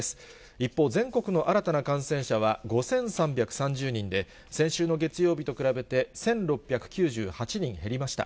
一方、全国の新たな感染者は、５３３０人で、先週の月曜日と比べて、１６９８人減りました。